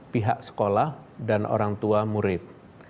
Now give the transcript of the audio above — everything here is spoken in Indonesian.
pihak sekolah dan orang tua murid